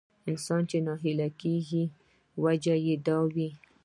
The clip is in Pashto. انسان چې ناهيلی کېږي وجه يې دا وي.